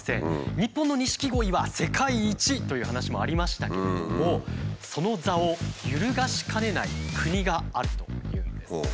日本の錦鯉は世界一という話もありましたけれどもその座を揺るがしかねない国があるというんです。